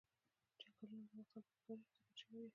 چنګلونه د افغانستان په اوږده تاریخ کې ذکر شوی دی.